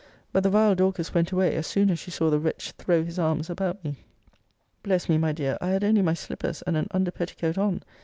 But the vile Dorcas went away as soon as she saw the wretch throw his arms about me! Bless me, my dear, I had only my slippers and an under petticoat on.